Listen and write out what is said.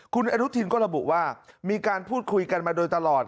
คุณอนุทินก็ระบุว่ามีการพูดคุยกันมาโดยตลอด